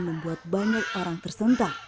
membuat banyak orang tersentak